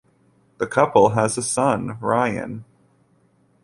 The couple has a son, Ryan.